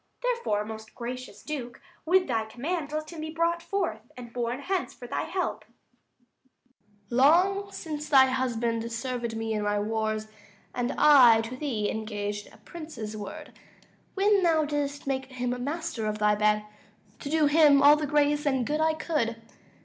Therefore, most gracious Duke, with thy command Let him be brought forth, and borne hence for help. 160 Duke. Long since thy husband served me in my wars; And I to thee engaged a prince's word, When thou didst make him master of thy bed, To do him all the grace and good I could.